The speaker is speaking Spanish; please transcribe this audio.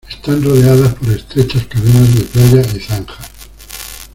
Están rodeadas por estrechas cadenas de playa y zanjas.